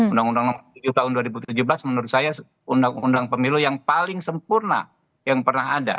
undang undang nomor tujuh tahun dua ribu tujuh belas menurut saya undang undang pemilu yang paling sempurna yang pernah ada